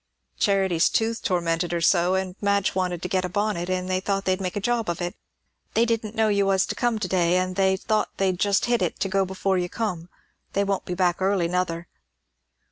"Charity's tooth tormented her so, and Madge wanted to get a bonnet; and they thought they'd make one job of it. They didn't know you was comin' to day, and they thought they'd just hit it to go before you come. They won't be back early, nother."